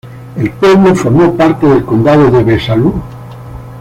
El pueblo formó parte del condado de Besalú.